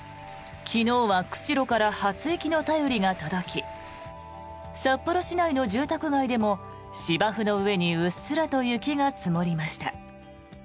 昨日は釧路から初雪の便りが届き札幌市内の住宅街でも芝生の上にうっすらと雪が積もりました。